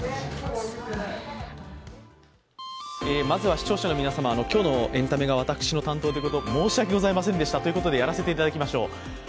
まずは視聴者の皆様、今日のエンタメが私の担当ということで申し訳ございませんでしたということでやらせていただきましょう。